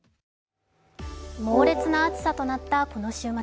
猛烈な暑さとなったこの週末。